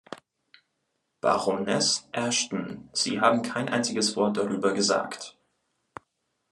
Baroness Ashton, Sie haben kein einziges Wort darüber gesagt.